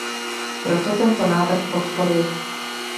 Proto tento návrh podporuji.